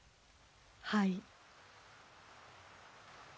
はい。